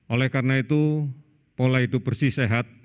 oleh karena itu pola hidup bersih sehat